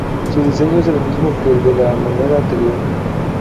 Su diseño es el mismo que el de la moneda anterior.